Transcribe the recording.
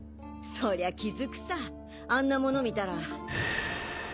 そりゃ気付くさあんなもの見たら。